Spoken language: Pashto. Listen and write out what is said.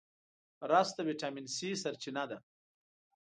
رس د ویټامین C سرچینه ده